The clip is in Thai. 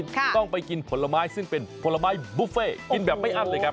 ค่ะต้องไปกินผลไม้ซึ่งเป็นผลไม้บูฟเฟ่ค่ะ